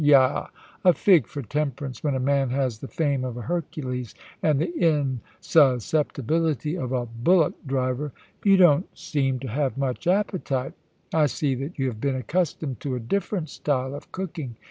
Yah ! a fig for temperance when a man has the frame of a Hercules and the insusceptibility of a bullock driver ! You don't seem THE PREMIERS STOREKEEPER. 23 to have much appetite. I see that you have been accustomed to a different style of cooking.